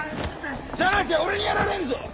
じゃなきゃ俺にやられんぞ。